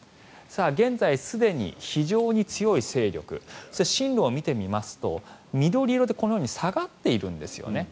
現在、すでに非常に強い勢力そして進路を見てみますと緑色で、このように下がっているんですよね。